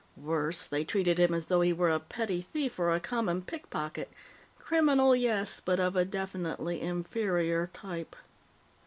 Worse, they treated him as though he were a petty thief or a common pickpocket criminal, yes, but of a definitely inferior type.